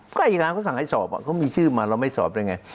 เพราะอายการเขาสั่งให้สอบเขามีชื่อมาเราไม่สอบได้ไง